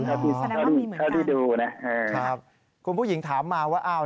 แสดงว่ามีเหมือนกันนะครับคุณผู้หญิงถามมาว่าอ้าว